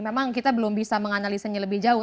memang kita belum bisa menganalisanya lebih jauh